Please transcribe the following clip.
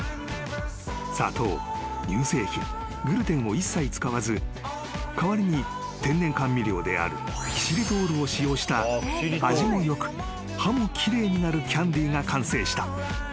［砂糖乳製品グルテンを一切使わず代わりに天然甘味料であるキシリトールを使用した味もよく歯も奇麗になるキャンディーが完成した］